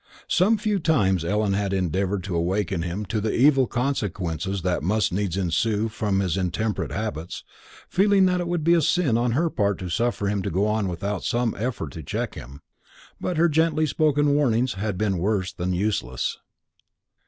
Some few times Ellen had endeavoured to awaken him to the evil consequences that must needs ensue from his intemperate habits, feeling that it would be a sin on her part to suffer him to go on without some effort to check him; but her gently spoken warnings had been worse than useless.